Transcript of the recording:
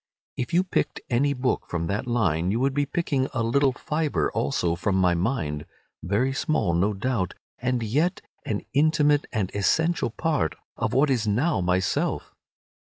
If you picked any book from that line you would be picking a little fibre also from my mind, very small, no doubt, and yet an intimate and essential part of what is now myself.